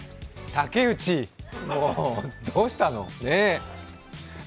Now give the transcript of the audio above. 竹内、どうしたの？